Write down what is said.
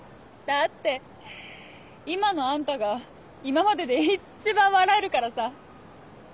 だって今のあんたが今までで一番笑えるからさ。